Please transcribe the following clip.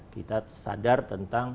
kita sadar tentang